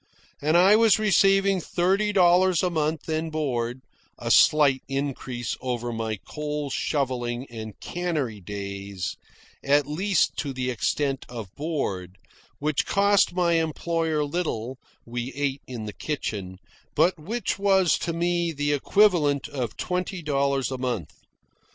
And I was receiving thirty dollars a month and board a slight increase over my coal shovelling and cannery days, at least to the extent of board, which cost my employer little (we ate in the kitchen), but which was to me the equivalent of twenty dollars a month.